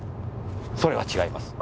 それは違います。